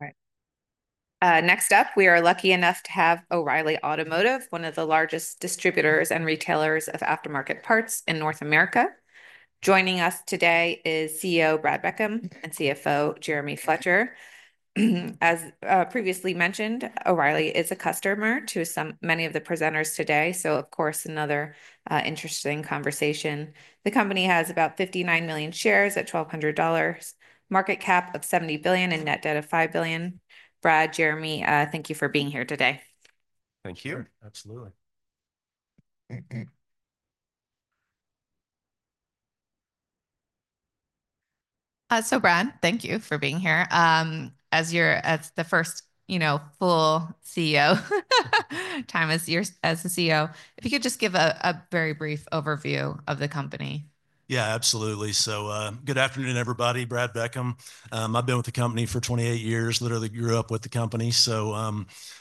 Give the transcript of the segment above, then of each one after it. All right. Next up, we are lucky enough to have O'Reilly Automotive, one of the largest distributors and retailers of aftermarket parts in North America. Joining us today is CEO Brad Beckham and CFO Jeremy Fletcher. As previously mentioned, O'Reilly is a customer to many of the presenters today, so of course another interesting conversation. The company has about 59 million shares at a $1,200 market cap of $70 billion and a net debt of $5 billion. Brad, Jeremy, thank you for being here today. Thank you. Absolutely. So, Brad, thank you for being here. As the first, you know, full CEO, time as the CEO, if you could just give a very brief overview of the company. Yeah, absolutely. So good afternoon, everybody. Brad Beckham. I've been with the company for 28 years, literally grew up with the company, so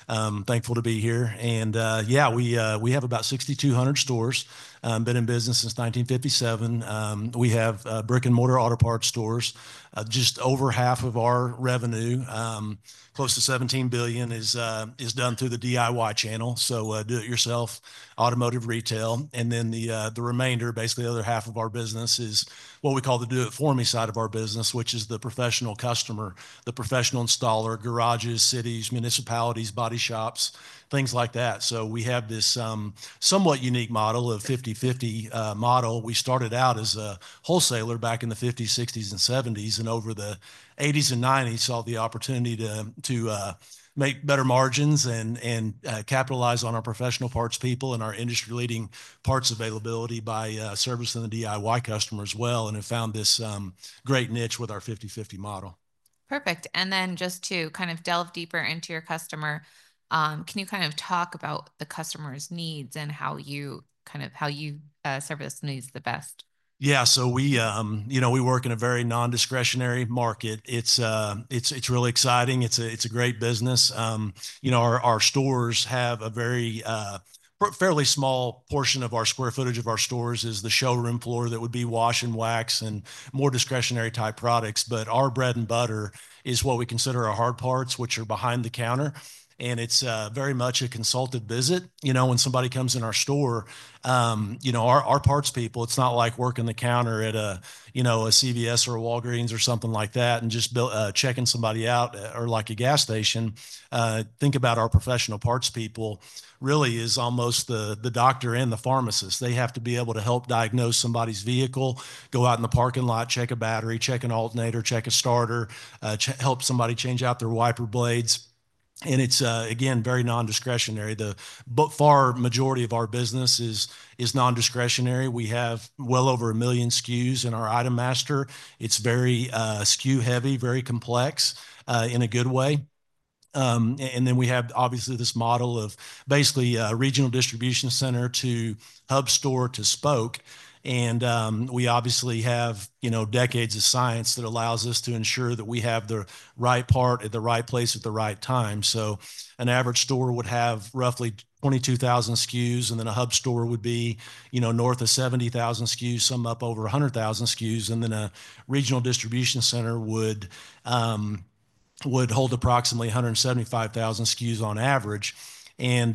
I'm thankful to be here. And yeah, we have about 6,200 stores. Been in business since 1957. We have brick-and-mortar auto parts stores. Just over half of our revenue, close to $17 billion, is done through the DIY channel. So do-it-yourself automotive retail. And then the remainder, basically the other half of our business, is what we call the do-it-for-me side of our business, which is the professional customer, the professional installer, garages, cities, municipalities, body shops, things like that. So we have this somewhat unique model of 50/50 model. We started out as a wholesaler back in the 1950s, 1960s, and 1970s, and over the 1980s and 1990s saw the opportunity to make better margins and capitalize on our professional parts people and our industry-leading parts availability by servicing the DIY customer as well. And it found this great niche with our 50/50 model. Perfect. And then just to kind of delve deeper into your customer, can you kind of talk about the customer's needs and how you service needs the best? Yeah, so we, you know, we work in a very non-discretionary market. It's really exciting. It's a great business. You know, our stores have a very fairly small portion of our square footage of our stores is the showroom floor that would be wash and wax and more discretionary-type products. But our bread and butter is what we consider our hard parts, which are behind the counter. And it's very much a consulted visit. You know, when somebody comes in our store, you know, our parts people, it's not like working the counter at a, you know, a CVS or a Walgreens or something like that and just checking somebody out or like a gas station. Think about our professional parts people really as almost the doctor and the pharmacist. They have to be able to help diagnose somebody's vehicle, go out in the parking lot, check a battery, check an alternator, check a starter, help somebody change out their wiper blades, and it's, again, very non-discretionary. The far majority of our business is non-discretionary. We have well over a million SKUs in our item master. It's very SKU-heavy, very complex in a good way, and then we have, obviously, this model of basically a regional distribution center to hub store to spoke, and we obviously have, you know, decades of science that allows us to ensure that we have the right part at the right place at the right time, so an average store would have roughly 22,000 SKUs, and then a hub store would be, you know, north of 70,000 SKUs, some up over 100,000 SKUs. A regional distribution center would hold approximately 175,000 SKUs on average. Again,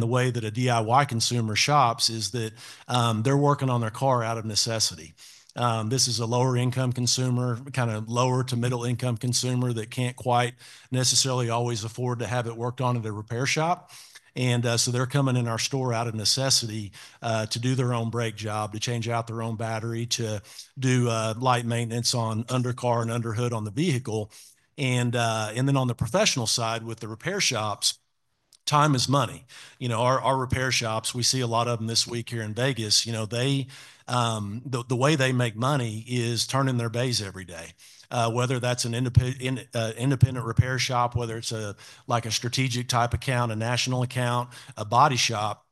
the way that a DIY consumer shops is that they're working on their car out of necessity. This is a lower-income consumer, kind of lower to middle-income consumer that can't quite necessarily always afford to have it worked on in the repair shop. They're coming in our store out of necessity to do their own brake job, to change out their own battery, to do light maintenance on undercar and underhood on the vehicle. On the professional side with the repair shops, time is money. You know, our repair shops, we see a lot of them this week here in Vegas, you know, the way they make money is turning their bays every day. Whether that's an independent repair shop, whether it's like a strategic-type account, a national account, a body shop,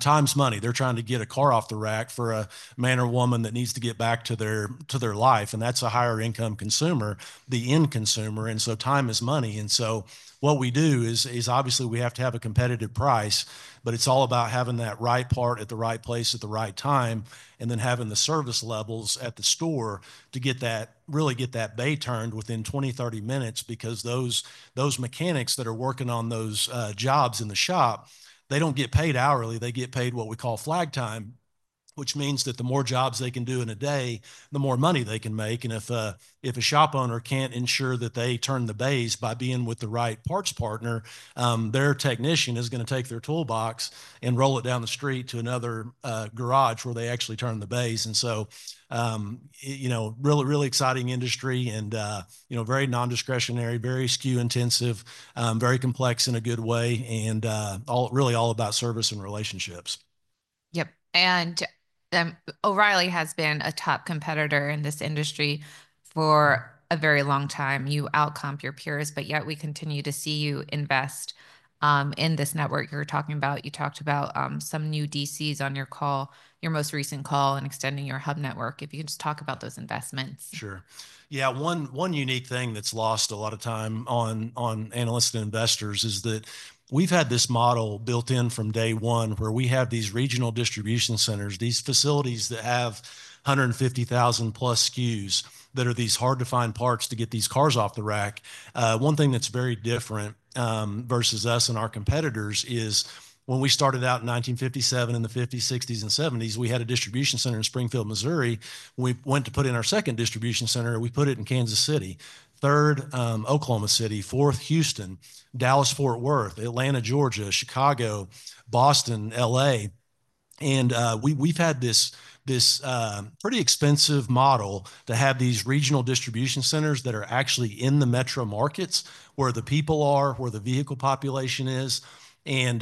time is money. They're trying to get a car off the rack for a man or woman that needs to get back to their life. And that's a higher-income consumer, the end consumer. And so time is money. And so what we do is obviously we have to have a competitive price, but it's all about having that right part at the right place at the right time and then having the service levels at the store to really get that bay turned within 20, 30 minutes because those mechanics that are working on those jobs in the shop, they don't get paid hourly. They get paid what we call flag time, which means that the more jobs they can do in a day, the more money they can make. And if a shop owner can't ensure that they turn the bays by being with the right parts partner, their technician is going to take their toolbox and roll it down the street to another garage where they actually turn the bays. And so, you know, really, really exciting industry and, you know, very non-discretionary, very SKU-intensive, very complex in a good way, and really all about service and relationships. Yep, and O'Reilly has been a top competitor in this industry for a very long time. You outcompete your peers, but yet we continue to see you invest in this network you're talking about. You talked about some new DCs on your call, your most recent call, and extending your hub network. If you can just talk about those investments. Sure. Yeah, one unique thing that's lost a lot of time on analysts and investors is that we've had this model built in from day one where we have these regional distribution centers, these facilities that have 150,000+ SKUs that are these hard-to-find parts to get these cars off the rack. One thing that's very different versus us and our competitors is when we started out in 1957, in the 1950s, 1960s, and 1970s, we had a distribution center in Springfield, Missouri. We went to put in our second distribution center. We put it in Kansas City, third, Oklahoma City, fourth, Houston, Dallas, Fort Worth, Atlanta, Georgia, Chicago, Boston, LA. We've had this pretty expensive model to have these regional distribution centers that are actually in the metro markets where the people are, where the vehicle population is. You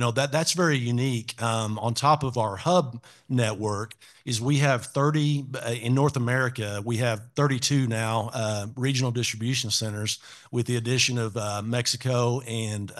know, that's very unique. On top of our hub network is we have 30 in North America. We have 32 now regional distribution centers with the addition of Mexico and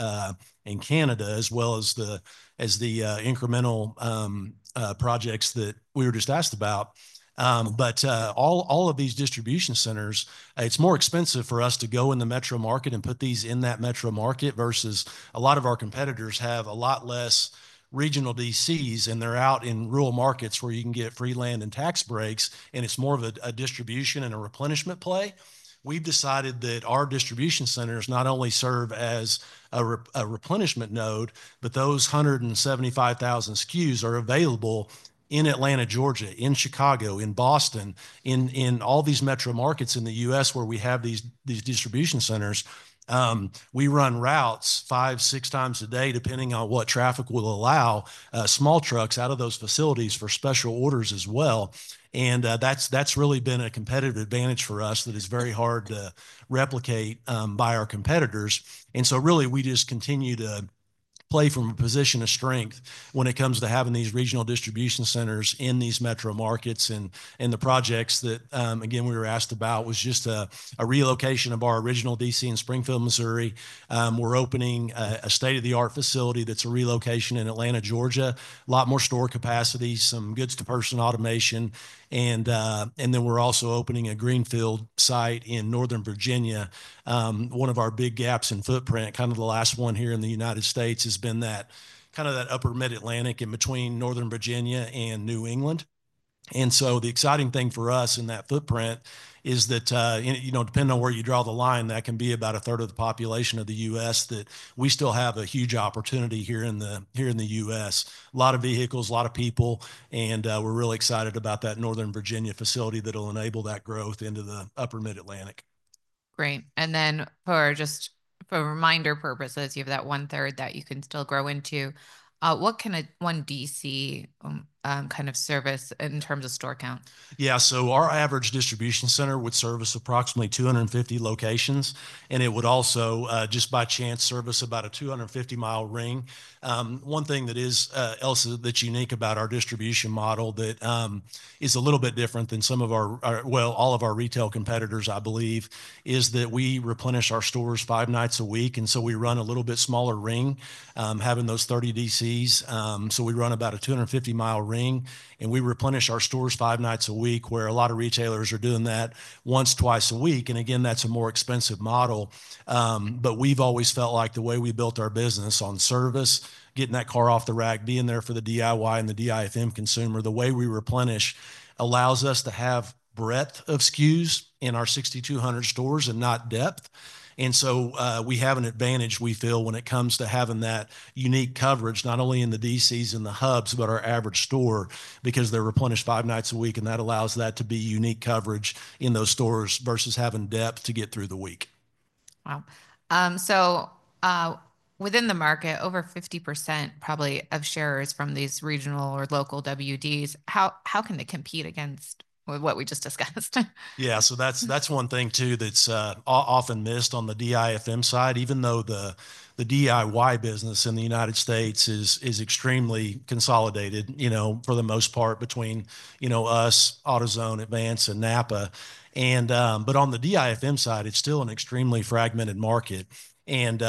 Canada as well as the incremental projects that we were just asked about. But all of these distribution centers, it's more expensive for us to go in the metro market and put these in that metro market versus a lot of our competitors have a lot less regional DCs and they're out in rural markets where you can get free land and tax breaks. And it's more of a distribution and a replenishment play. We've decided that our distribution centers not only serve as a replenishment node, but those 175,000 SKUs are available in Atlanta, Georgia, in Chicago, in Boston, in all these metro markets in the U.S. where we have these distribution centers. We run routes five, six times a day depending on what traffic will allow small trucks out of those facilities for special orders as well, and that's really been a competitive advantage for us that is very hard to replicate by our competitors, and so really we just continue to play from a position of strength when it comes to having these regional distribution centers in these metro markets and the projects that, again, we were asked about was just a relocation of our original DC in Springfield, Missouri. We're opening a state-of-the-art facility that's a relocation in Atlanta, Georgia, a lot more store capacity, some goods-to-person automation, and then we're also opening a greenfield site in Northern Virginia. One of our big gaps in footprint, kind of the last one here in the United States, has been kind of that upper Mid-Atlantic in between Northern Virginia and New England. And so the exciting thing for us in that footprint is that, you know, depending on where you draw the line, that can be about a third of the population of the U.S. that we still have a huge opportunity here in the U.S. A lot of vehicles, a lot of people. And we're really excited about that Northern Virginia facility that'll enable that growth into the upper Mid-Atlantic. Great. And then just for reminder purposes, you have that one-third that you can still grow into. What can one DC kind of service in terms of store count? Yeah, so our average distribution center would service approximately 250 locations. And it would also, just by chance, service about a 250 mi ring. One thing that is else that's unique about our distribution model that is a little bit different than some of our, well, all of our retail competitors, I believe, is that we replenish our stores five nights a week. And so we run a little bit smaller ring, having those 30 DCs. So we run about a 250 mi ring. And we replenish our stores five nights a week where a lot of retailers are doing that once, twice a week. And again, that's a more expensive model. But we've always felt like the way we built our business on service, getting that car off the rack, being there for the DIY and the DIFM consumer, the way we replenish allows us to have breadth of SKUs in our 6,200 stores and not depth. And so we have an advantage, we feel, when it comes to having that unique coverage, not only in the DCs, in the hubs, but our average store because they're replenished five nights a week. And that allows that to be unique coverage in those stores versus having depth to get through the week. Wow. So within the market, over 50% probably of shares from these regional or local WDs, how can they compete against what we just discussed? Yeah, so that's one thing too that's often missed on the DIFM side, even though the DIY business in the United States is extremely consolidated, you know, for the most part between, you know, us, AutoZone, Advance, and NAPA. But on the DIFM side, it's still an extremely fragmented market. And,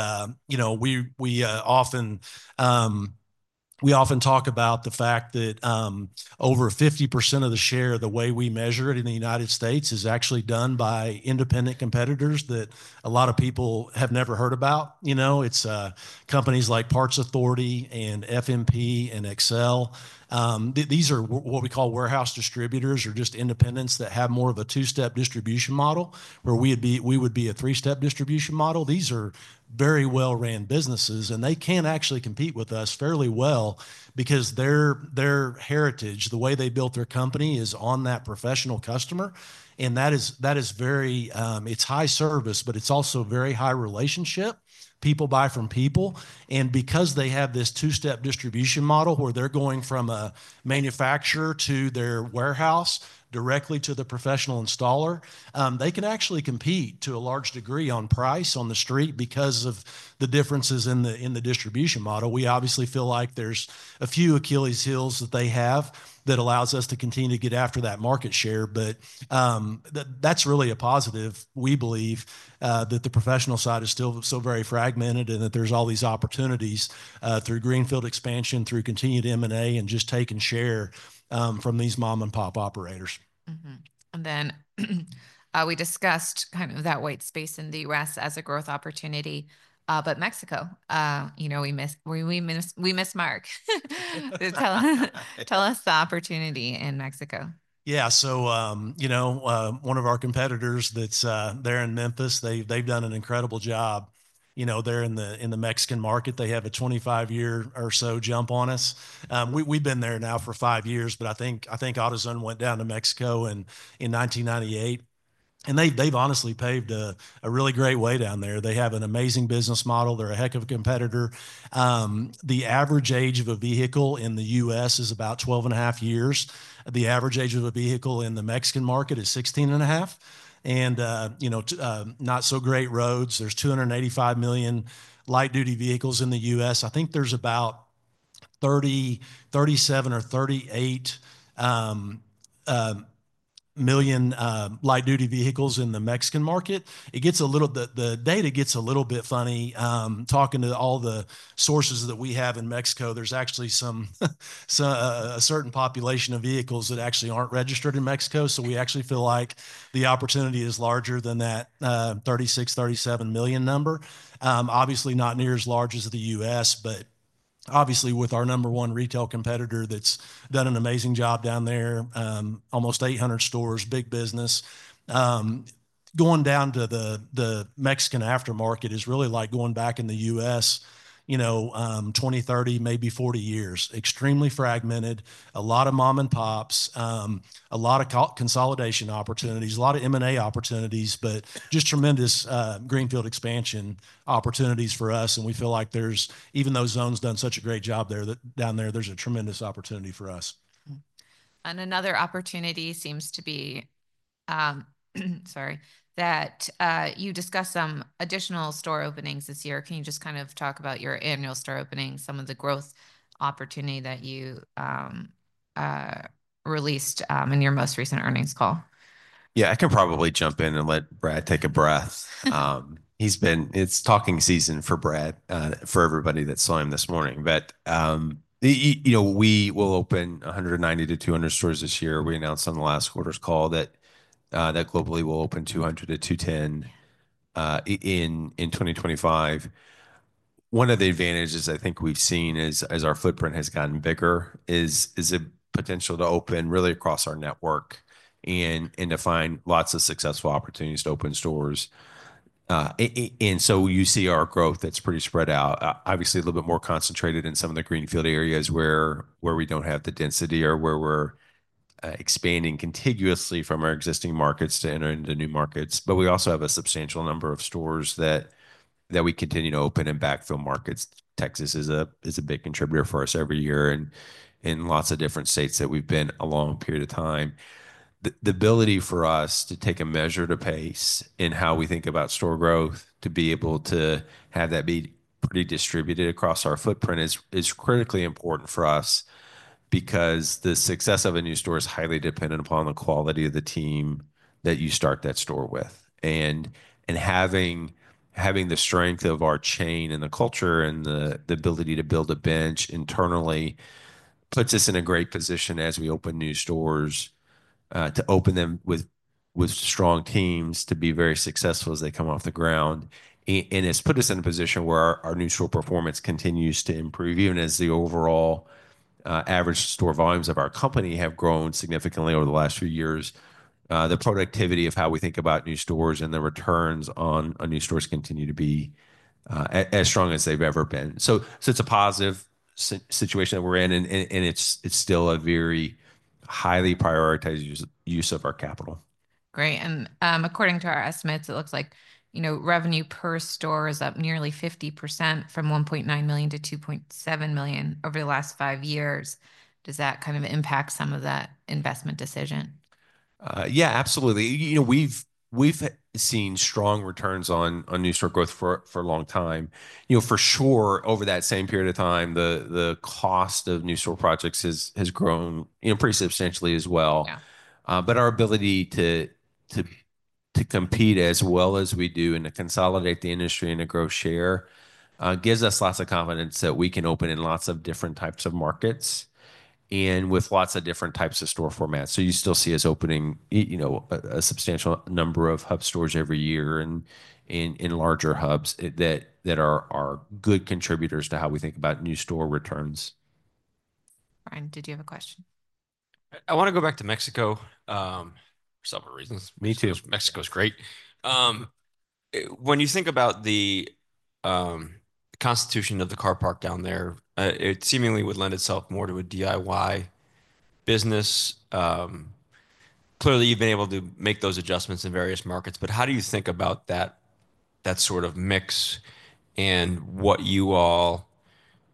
you know, we often talk about the fact that over 50% of the share of the way we measure it in the United States is actually done by independent competitors that a lot of people have never heard about. You know, it's companies like Parts Authority and FMP and XL. These are what we call warehouse distributors or just independents that have more of a two-step distribution model where we would be a three-step distribution model. These are very well-run businesses. They can actually compete with us fairly well because their heritage, the way they built their company is on that professional customer. And that is very, it's high service, but it's also very high relationship. People buy from people. And because they have this two-step distribution model where they're going from a manufacturer to their warehouse directly to the professional installer, they can actually compete to a large degree on price on the street because of the differences in the distribution model. We obviously feel like there's a few Achilles heels that they have that allows us to continue to get after that market share. But that's really a positive. We believe that the professional side is still so very fragmented and that there's all these opportunities through greenfield expansion, through continued M&A and just taking share from these mom-and-pop operators. And then we discussed kind of that white space in the U.S. as a growth opportunity. But Mexico, you know, we missed mark. Tell us the opportunity in Mexico. Yeah, so, you know, one of our competitors that's there in Memphis, they've done an incredible job, you know, there in the Mexican market. They have a 25-year or so jump on us. We've been there now for five years, but I think AutoZone went down to Mexico in 1998. They've honestly paved a really great way down there. They have an amazing business model. They're a heck of a competitor. The average age of a vehicle in the U.S. is about 12 and a half years. The average age of a vehicle in the Mexican market is 16 and a half. You know, not so great roads. There's 285 million light-duty vehicles in the U.S. I think there's about 37 or 38 million light-duty vehicles in the Mexican market. It gets a little, the data gets a little bit funny talking to all the sources that we have in Mexico. There's actually a certain population of vehicles that actually aren't registered in Mexico. So we actually feel like the opportunity is larger than that 36-37 million number. Obviously not near as large as the U.S., but obviously with our number one retail competitor that's done an amazing job down there, almost 800 stores, big business. Going down to the Mexican aftermarket is really like going back in the U.S., you know, 20, 30, maybe 40 years, extremely fragmented, a lot of mom-and-pops, a lot of consolidation opportunities, a lot of M&A opportunities, but just tremendous greenfield expansion opportunities for us. We feel like there's, even though AutoZone's done such a great job there, that down there, there's a tremendous opportunity for us. Another opportunity seems to be, sorry, that you discussed some additional store openings this year. Can you just kind of talk about your annual store openings, some of the growth opportunity that you released in your most recent earnings call? Yeah, I can probably jump in and let Brad take a breath. It's talking season for Brad, for everybody that saw him this morning, but you know, we will open 190-200 stores this year. We announced on the last quarter's call that globally we'll open 200-210 in 2025. One of the advantages I think we've seen as our footprint has gotten bigger is the potential to open really across our network and to find lots of successful opportunities to open stores, and so you see our growth that's pretty spread out, obviously a little bit more concentrated in some of the greenfield areas where we don't have the density or where we're expanding contiguously from our existing markets to enter into new markets. But we also have a substantial number of stores that we continue to open in backfill markets. Texas is a big contributor for us every year, and lots of different states that we've been in for a long period of time. The ability for us to take a measured pace in how we think about store growth, to be able to have that be pretty distributed across our footprint, is critically important for us because the success of a new store is highly dependent upon the quality of the team that you start that store with, and having the strength of our chain and the culture and the ability to build a bench internally puts us in a great position as we open new stores to open them with strong teams to be very successful as they get off the ground. And it's put us in a position where our new store performance continues to improve even as the overall average store volumes of our company have grown significantly over the last few years. The productivity of how we think about new stores and the returns on new stores continue to be as strong as they've ever been. So it's a positive situation that we're in. And it's still a very highly prioritized use of our capital. Great. And according to our estimates, it looks like, you know, revenue per store is up nearly 50% from $1.9 million-$2.7 million over the last five years. Does that kind of impact some of that investment decision? Yeah, absolutely. You know, we've seen strong returns on new store growth for a long time. You know, for sure, over that same period of time, the cost of new store projects has grown, you know, pretty substantially as well. But our ability to compete as well as we do and to consolidate the industry and to grow share gives us lots of confidence that we can open in lots of different types of markets and with lots of different types of store formats. So you still see us opening, you know, a substantial number of hub stores every year and in larger hubs that are good contributors to how we think about new store returns. Brett, did you have a question? I want to go back to Mexico for several reasons. Me too. Mexico is great. When you think about the constitution of the car park down there, it seemingly would lend itself more to a DIY business. Clearly, you've been able to make those adjustments in various markets. But how do you think about that sort of mix and what you all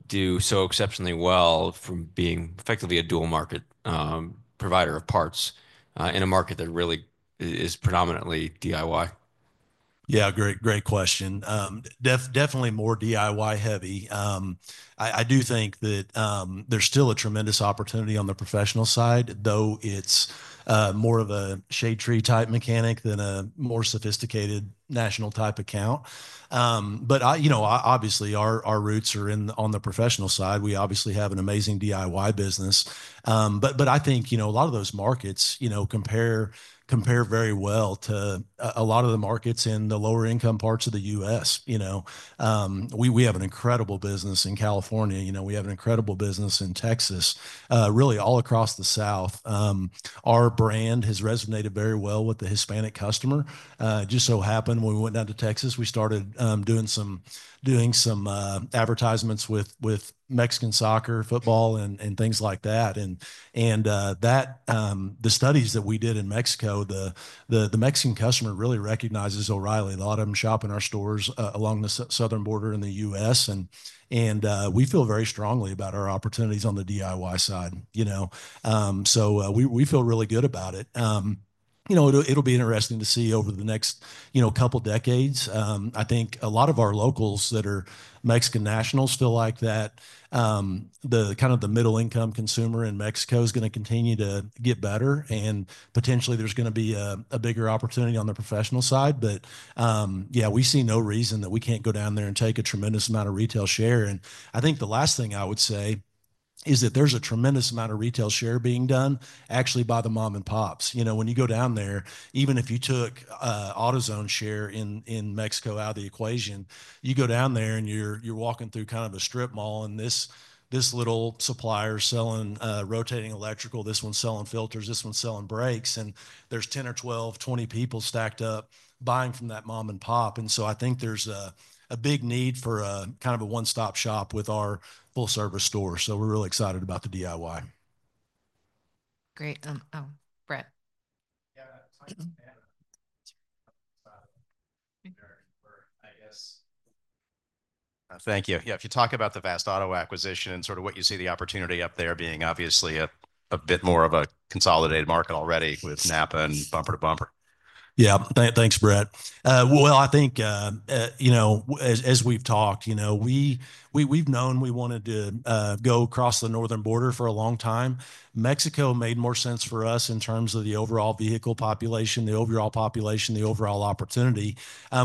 do so exceptionally well from being effectively a dual market provider of parts in a market that really is predominantly DIY? Yeah, great question. Definitely more DIY heavy. I do think that there's still a tremendous opportunity on the professional side, though it's more of a shade tree type mechanic than a more sophisticated national type account. But, you know, obviously our roots are on the professional side. We obviously have an amazing DIY business. But I think, you know, a lot of those markets, you know, compare very well to a lot of the markets in the lower income parts of the U.S. You know, we have an incredible business in California. You know, we have an incredible business in Texas, really all across the South. Our brand has resonated very well with the Hispanic customer. It just so happened when we went down to Texas, we started doing some advertisements with Mexican soccer, football, and things like that. The studies that we did in Mexico, the Mexican customer really recognizes O'Reilly. A lot of them shop in our stores along the southern border in the U.S. We feel very strongly about our opportunities on the DIY side. You know, so we feel really good about it. You know, it'll be interesting to see over the next, you know, couple decades. I think a lot of our locals that are Mexican nationals feel like that kind of the middle-income consumer in Mexico is going to continue to get better. Potentially there's going to be a bigger opportunity on the professional side. But yeah, we see no reason that we can't go down there and take a tremendous amount of retail share. I think the last thing I would say is that there's a tremendous amount of retail share being done actually by the mom-and-pops. You know, when you go down there, even if you took AutoZone share in Mexico out of the equation, you go down there and you're walking through kind of a strip mall and this little supplier selling rotating electrical, this one selling filters, this one selling brakes. And there's 10 or 12, 20 people stacked up buying from that mom-and-pop. And so I think there's a big need for a kind of a one-stop shop with our full-service store. So we're really excited about the DIY. Great. Oh, Brett? Yeah. Thank you. Yeah, if you talk about the Vast-Auto acquisition and sort of what you see the opportunity up there being obviously a bit more of a consolidated market already with NAPA and Bumper to Bumper. Yeah, thanks, Brett. Well, I think, you know, as we've talked, you know, we've known we wanted to go across the northern border for a long time. Mexico made more sense for us in terms of the overall vehicle population, the overall population, the overall opportunity.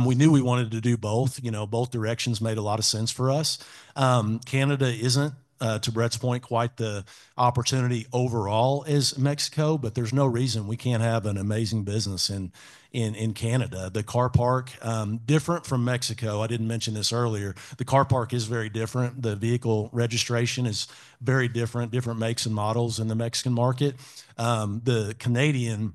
We knew we wanted to do both. You know, both directions made a lot of sense for us. Canada isn't, to Brett's point, quite the opportunity overall as Mexico, but there's no reason we can't have an amazing business in Canada. The car park, different from Mexico, I didn't mention this earlier, the car park is very different. The vehicle registration is very different, different makes and models in the Mexican market. The Canadian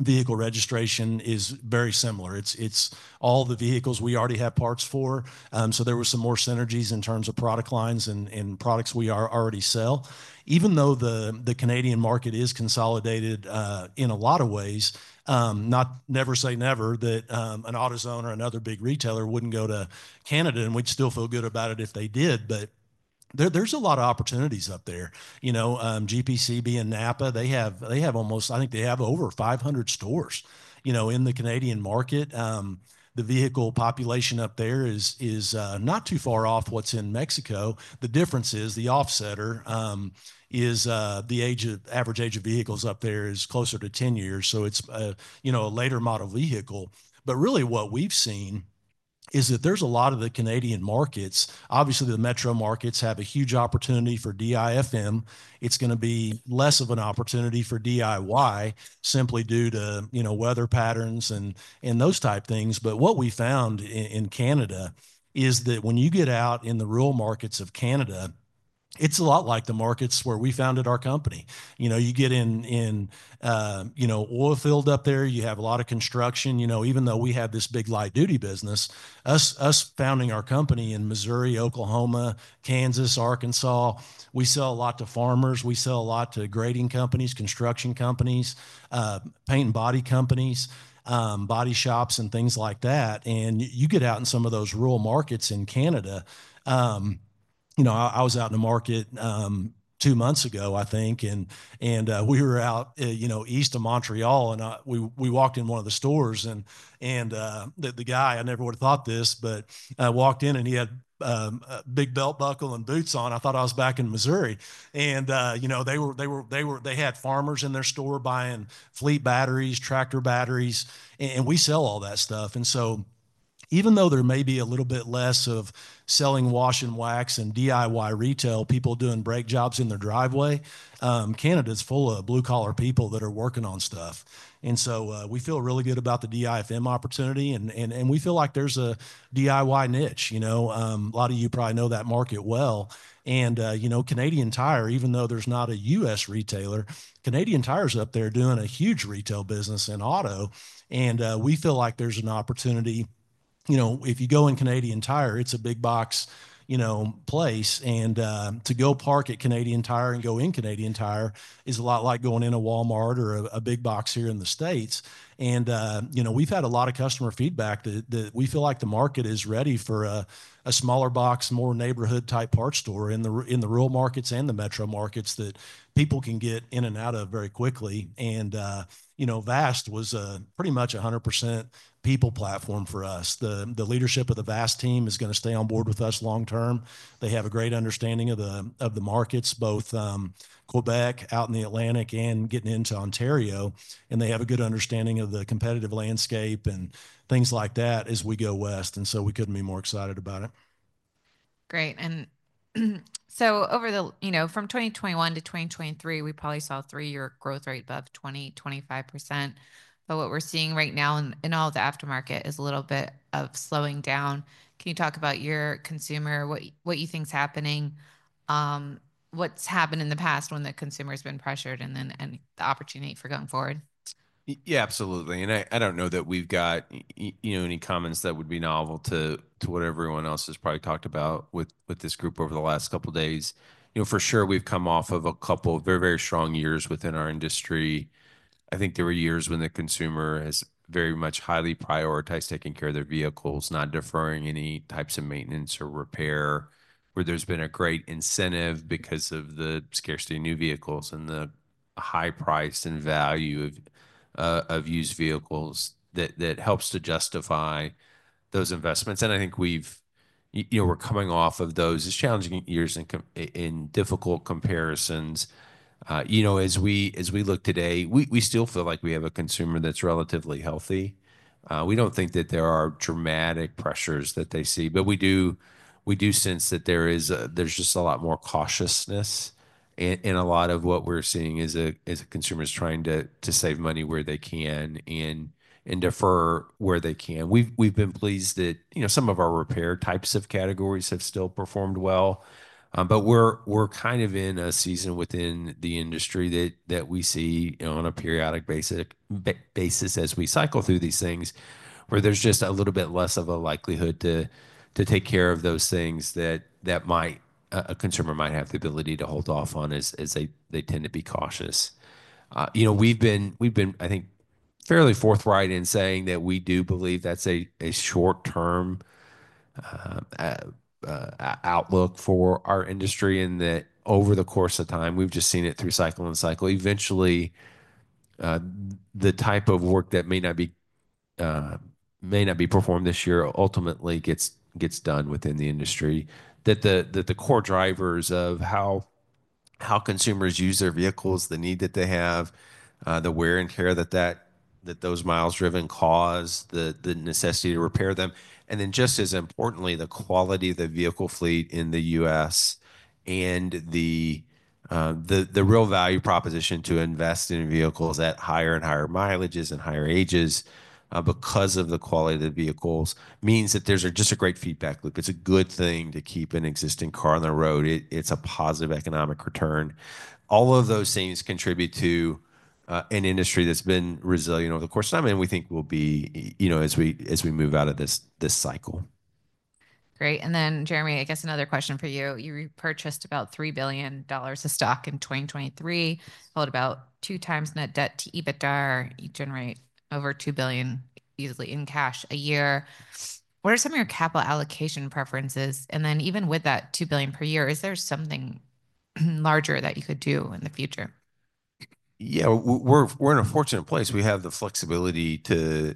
vehicle registration is very similar. It's all the vehicles we already have parts for. So there were some more synergies in terms of product lines and products we already sell. Even though the Canadian market is consolidated in a lot of ways, never say never that an AutoZone or another big retailer wouldn't go to Canada, and we'd still feel good about it if they did, but there's a lot of opportunities up there. You know, GPC and NAPA, they have almost, I think they have over 500 stores, you know, in the Canadian market. The vehicle population up there is not too far off what's in Mexico. The difference is the offsetter is the average age of vehicles up there is closer to 10 years, so it's, you know, a later model vehicle, but really what we've seen is that there's a lot of the Canadian markets. Obviously, the metro markets have a huge opportunity for DIFM. It's going to be less of an opportunity for DIY simply due to, you know, weather patterns and those type things. But what we found in Canada is that when you get out in the rural markets of Canada, it's a lot like the markets where we founded our company. You know, you get in, you know, oilfield up there, you have a lot of construction. You know, even though we have this big light-duty business, us founding our company in Missouri, Oklahoma, Kansas, Arkansas, we sell a lot to farmers. We sell a lot to grading companies, construction companies, paint and body companies, body shops and things like that. And you get out in some of those rural markets in Canada. You know, I was out in the market two months ago, I think. And we were out, you know, east of Montreal. And we walked in one of the stores and the guy. I never would have thought this, but I walked in and he had a big belt buckle and boots on. I thought I was back in Missouri. And, you know, they had farmers in their store buying fleet batteries, tractor batteries. And we sell all that stuff. And so even though there may be a little bit less of selling wash and wax and DIY retail, people doing brake jobs in their driveway. Canada is full of blue-collar people that are working on stuff. And so we feel really good about the DIFM opportunity. And we feel like there's a DIY niche. You know, a lot of you probably know that market well. And, you know, Canadian Tire, even though there's not a U.S. retailer, Canadian Tire is up there doing a huge retail business in auto. And we feel like there's an opportunity. You know, if you go in Canadian Tire, it's a big box, you know, place. And to go park at Canadian Tire and go in Canadian Tire is a lot like going in a Walmart or a big box here in the States. And, you know, we've had a lot of customer feedback that we feel like the market is ready for a smaller box, more neighborhood type parts store in the rural markets and the metro markets that people can get in and out of very quickly. And, you know, Vast was pretty much a 100% people platform for us. The leadership of the Vast team is going to stay on board with us long term. They have a great understanding of the markets, both Quebec out in the Atlantic and getting into Ontario. And they have a good understanding of the competitive landscape and things like that as we go west. And so we couldn't be more excited about it. Great. And so over the, you know, from 2021 to 2023, we probably saw a three-year growth rate above 20-25%. But what we're seeing right now in all the aftermarket is a little bit of slowing down. Can you talk about your consumer, what you think is happening, what's happened in the past when the consumer has been pressured and then the opportunity for going forward? Yeah, absolutely. And I don't know that we've got, you know, any comments that would be novel to what everyone else has probably talked about with this group over the last couple of days. You know, for sure, we've come off of a couple of very, very strong years within our industry. I think there were years when the consumer has very much highly prioritized taking care of their vehicles, not deferring any types of maintenance or repair, where there's been a great incentive because of the scarcity of new vehicles and the high price and value of used vehicles that helps to justify those investments. And I think we've, you know, we're coming off of those challenging years in difficult comparisons. You know, as we look today, we still feel like we have a consumer that's relatively healthy. We don't think that there are dramatic pressures that they see. But we do sense that there's just a lot more cautiousness in a lot of what we're seeing as consumers trying to save money where they can and defer where they can. We've been pleased that, you know, some of our repair types of categories have still performed well. But we're kind of in a season within the industry that we see on a periodic basis as we cycle through these things where there's just a little bit less of a likelihood to take care of those things that a consumer might have the ability to hold off on as they tend to be cautious. You know, we've been, I think, fairly forthright in saying that we do believe that's a short-term outlook for our industry and that over the course of time, we've just seen it through cycle and cycle. Eventually, the type of work that may not be performed this year ultimately gets done within the industry. That the core drivers of how consumers use their vehicles, the need that they have, the wear and tear that those miles driven cause, the necessity to repair them. And then just as importantly, the quality of the vehicle fleet in the U.S. and the real value proposition to invest in vehicles at higher and higher mileages and higher ages because of the quality of the vehicles means that there's just a great feedback loop. It's a good thing to keep an existing car on the road. It's a positive economic return. All of those things contribute to an industry that's been resilient over the course of time and we think will be, you know, as we move out of this cycle. Great. And then, Jeremy, I guess another question for you. You purchased about $3 billion of stock in 2023, held about two times net debt to EBITDA. You generate over $2 billion easily in cash a year. What are some of your capital allocation preferences? And then even with that $2 billion per year, is there something larger that you could do in the future? Yeah, we're in a fortunate place. We have the flexibility to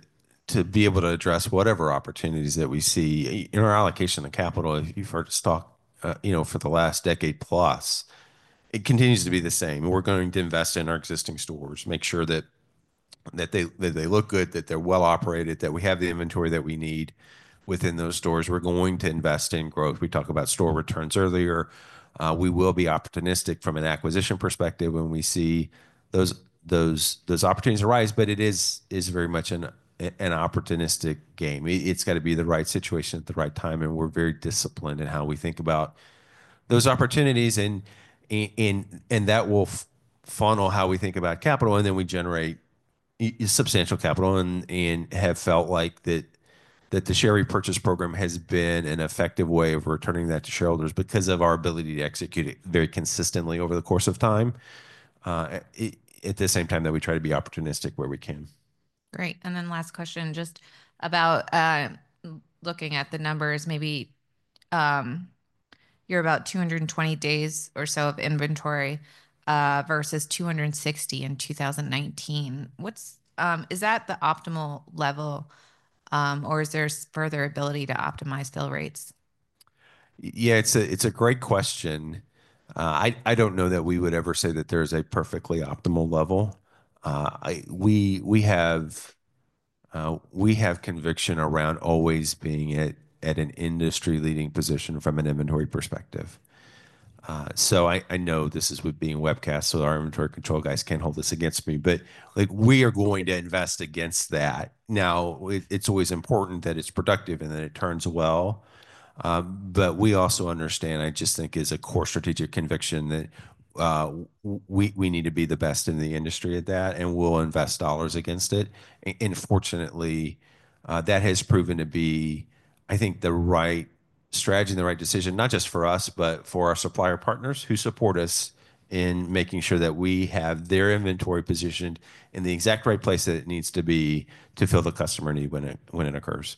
be able to address whatever opportunities that we see. In our allocation of capital, if you've heard us talk, you know, for the last decade plus, it continues to be the same. We're going to invest in our existing stores, make sure that they look good, that they're well operated, that we have the inventory that we need within those stores. We're going to invest in growth. We talked about store returns earlier. We will be opportunistic from an acquisition perspective when we see those opportunities arise, but it is very much an opportunistic game. It's got to be the right situation at the right time, and we're very disciplined in how we think about those opportunities, and that will funnel how we think about capital. And then we generate substantial capital and have felt like that the share repurchase program has been an effective way of returning that to shareholders because of our ability to execute it very consistently over the course of time. At the same time that we try to be opportunistic where we can. Great, and then last question just about looking at the numbers. Maybe you're about 220 days or so of inventory versus 260 in 2019. Is that the optimal level or is there further ability to optimize fill rates? Yeah, it's a great question. I don't know that we would ever say that there's a perfectly optimal level. We have conviction around always being at an industry-leading position from an inventory perspective. So I know this is being webcast, so our inventory control guys can't hold this against me. But we are going to invest against that. Now, it's always important that it's productive and that it turns well. But we also understand. I just think it is a core strategic conviction that we need to be the best in the industry at that and we'll invest dollars against it. And fortunately, that has proven to be, I think, the right strategy and the right decision, not just for us, but for our supplier partners who support us in making sure that we have their inventory positioned in the exact right place that it needs to be to fill the customer need when it occurs.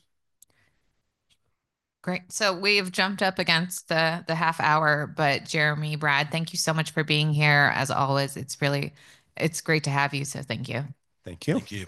Great. So we have jumped up against the half hour. But Jeremy, Brad, thank you so much for being here. As always, it's great to have you. So thank you. Thank you.